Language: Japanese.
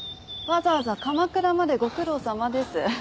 わざわざ鎌倉までご苦労さまです。